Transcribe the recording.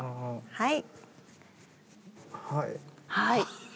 はい。